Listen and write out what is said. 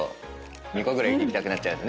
２個ぐらいいきたくなっちゃう。